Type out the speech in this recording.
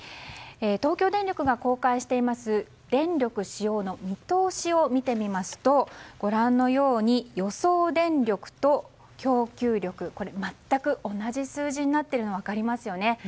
東京電力が公開している電力使用の見通しを見ますとご覧のように予想電力と供給力全く同じ数字になっているのが分かりますよね。